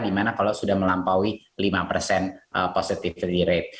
di mana kalau sudah melampaui lima persen positivity rate